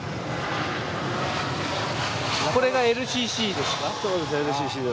これがＬＣＣですか？